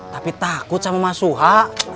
tapi takut sama mas suha